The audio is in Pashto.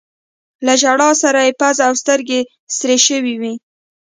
له ژړا سره يې پزه او سترګې سرې شوي وې.